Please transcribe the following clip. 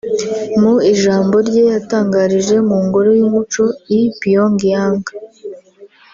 mu ijambo rye yatangarije mu ngoro y’umuco i Pyongyang